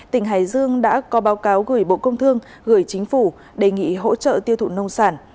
tỉnh hải dương đã có báo cáo gửi bộ công thương gửi chính phủ đề nghị hỗ trợ tiêu thụ nông sản